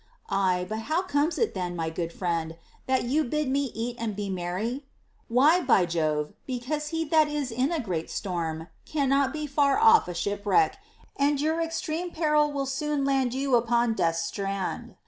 Aye ; but how comes it then, my good friend, that you bid me eat and be merry \ Why, by Jove, because he that is in a great storm cannot be far off a shipwreck ; and your extreme peril will soon land you upon Death's strand.